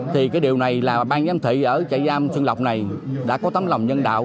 thì cái điều này là bàn giam thị ở trại giam sơn lộc này đã có tấm lòng nhân đạo